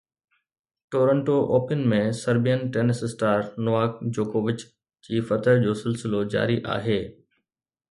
Toronto Open ۾ Serbian tennis star Novak جوڪووچ جي فتح جو سلسلو جاري آهي